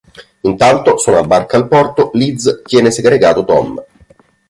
Intanto, su una barca al porto, Liz tiene segregato Tom.